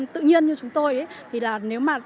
tự nhiên như chúng tôi thì là nếu mà